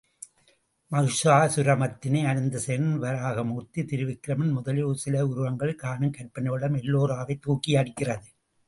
மகிஷாசுரமர்த்தினி, அனந்தசயனன், வராகமூர்த்தி, திருவிக்கிரமன் முதலிய சிலை உருவங்களில் காணும் கற்பனை வளம் எல்லோராவைத் தூக்கியடிக்கிறது.